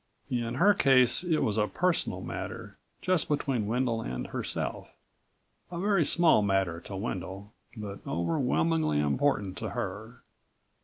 In her case it was a personal matter, just between Wendel and herself. A very small matter to Wendel but overwhelmingly important to her.